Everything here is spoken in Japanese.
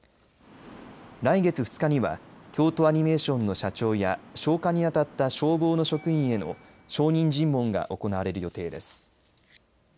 来月２日には京都アニメーションの社長や消火に当たった消防の職員への証人尋問が行われる予定です。